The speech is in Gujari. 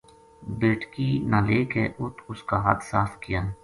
بیٹکی نا لے کے اُت اس کا ہتھ صاف کیا۔